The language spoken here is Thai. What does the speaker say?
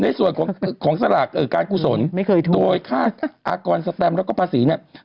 ในส่วนของสลากการกุศลไม่เคยถูกโดยค่าอากรสแตมแล้วก็ภาษีเนี่ย